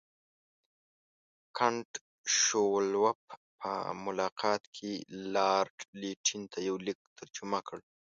کنټ شووالوف په ملاقات کې لارډ لیټن ته یو لیک ترجمه کړ.